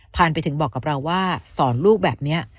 ไปถึงบอกกับเราว่าสอนลูกแบบนี้